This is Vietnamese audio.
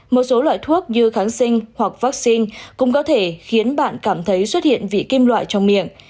một số loại thuốc như kháng sinh hoặc vaccine cũng có thể khiến bạn cảm thấy xuất hiện vị kim loại trong miệng